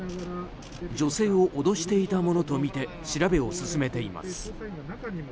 女性を脅していたものとみて調べを進めています。